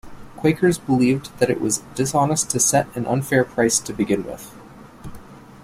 Quakers believed that it was dishonest to set an unfair price to begin with.